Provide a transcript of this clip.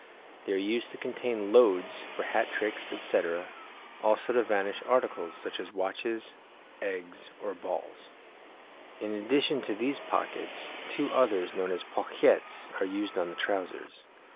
They are used to contain "loads" for hat tricks, etc., also to vanish articles, such as watches, eggs, or balls. In addition to these pockets, two others, known as pochettes, are used on the trousers.